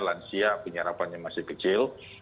lansia penyerapan yang masih kecil